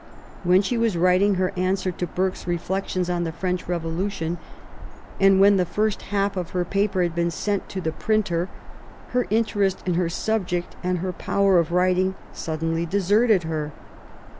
When she was writing her answer to Burke's Reflections on the French Revolution, and when the first half of her paper had been sent to the printer, her interest in her subject and her power of writing suddenly deserted her.